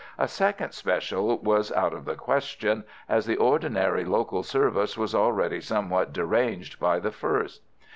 A second special was out of the question, as the ordinary local service was already somewhat deranged by the first.